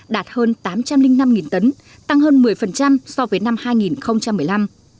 đạt hơn tám trăm linh năm tấn tăng hơn một mươi so với năm hai nghìn một mươi năm